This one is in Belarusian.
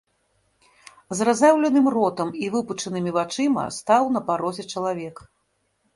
З разяўленым ротам і выпучанымі вачыма стаў на парозе чалавек.